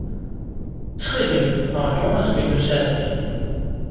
Ttxil-m, ṛju azgen n usrag.